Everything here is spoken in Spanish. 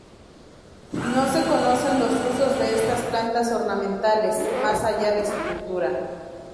No se conocen los usos de estas plantas ornamentales más allá de su cultura.